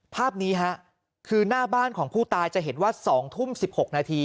ภาพนี้ฮะคือหน้าบ้านของผู้ตายจะเห็นว่า๒ทุ่ม๑๖นาที